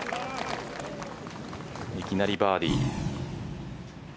いきなりバーディー。